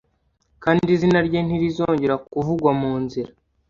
kandi izina rye ntirizongera kuvugwa mu nzira